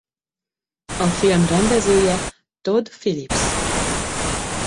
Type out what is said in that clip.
A film rendezője Todd Phillips.